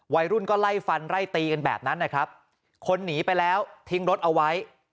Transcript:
วัยรุ่นก็ไล่ฟันไล่ตีกันแบบนั้นนะครับคนหนีไปแล้วทิ้งรถเอาไว้